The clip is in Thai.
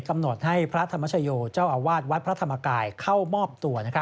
กำหนดให้พระธรรมชโยเจ้าอาวาสวัดพระธรรมกายเข้ามอบตัว